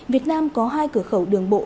việt nam có hai cửa khẩu đường bộ